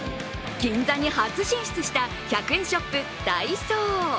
銀座に初進出した１００円ショップ、ダイソー。